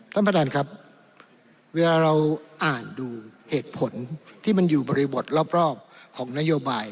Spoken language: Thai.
ท่านประธานครับเวลาเราอ่านดูเหตุผลที่มันอยู่บริบทรอบของนโยบาย